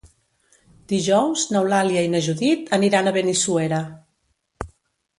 Dijous n'Eulàlia i na Judit aniran a Benissuera.